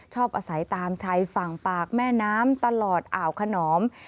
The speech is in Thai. อาศัยตามชายฝั่งปากแม่น้ำตลอดอ่าวขนอม